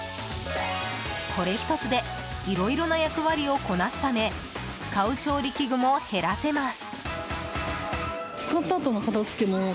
これ１つでいろいろな役割をこなすため使う調理器具も減らせます。